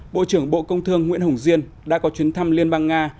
bộ trưởng bộ công thương nguyễn hồng diên đã có chuyến thăm liên bang nga